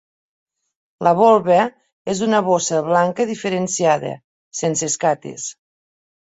La volva és una bossa blanca diferenciada, sense escates.